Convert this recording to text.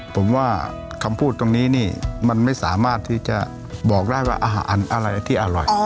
ผมว่าคำพูดตรงนี้นี่มันไม่สามารถที่จะบอกได้ว่าอาหารอะไรที่อร่อย